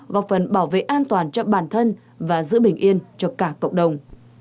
góp phần bảo vệ an toàn cho bản thân và giữ bình yên cho cả cộng đồng